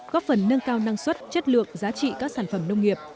góp phần nâng cao năng suất chất lượng giá trị các sản phẩm nông nghiệp